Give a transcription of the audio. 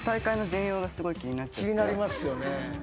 気になりますよね。